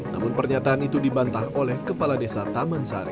namun pernyataan itu dibantah oleh kepala desa taman sari